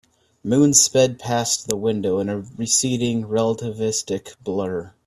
Moons sped past the window in a receding, relativistic blur.